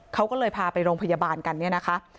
เขาก็เลยพาไปโรงพยาบาลกันเนี่ยนะคะ